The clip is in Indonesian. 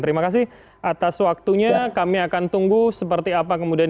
terima kasih atas waktunya kami akan tunggu seperti apa kemudian